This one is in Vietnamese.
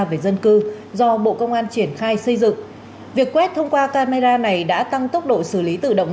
về dân cư do bộ công an triển khai xây dựng việc quét thông qua camera này đã tăng tốc độ xử lý tự động